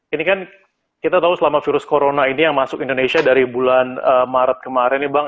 ini kan kita tahu selama virus corona ini yang masuk indonesia dari bulan maret kemarin nih bang